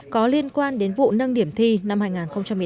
có liên quan đến vụ nâng điểm thi năm hai nghìn một mươi tám